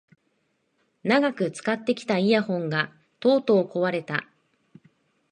長く使ってきたイヤホンがとうとう壊れた